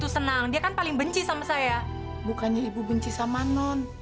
saya ibu benci sama non